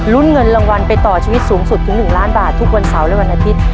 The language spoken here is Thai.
เงินรางวัลไปต่อชีวิตสูงสุดถึง๑ล้านบาททุกวันเสาร์และวันอาทิตย์